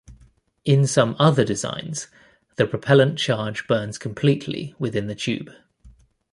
In some other designs, the propellant charge burns completely within the tube.